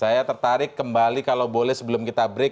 saya tertarik kembali kalau boleh sebelum kita break